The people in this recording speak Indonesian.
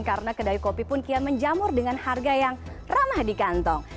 karena kedai kopi pun kaya menjamur dengan harga yang ramah di kantong